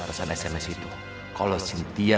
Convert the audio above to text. ratusan sms itu kalau sintia